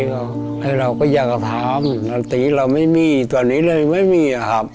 แล้วเราก็อยากจะทำดนตรีเราไม่มีตอนนี้เลยไม่มีครับ